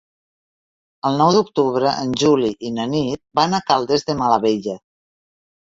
El nou d'octubre en Juli i na Nit van a Caldes de Malavella.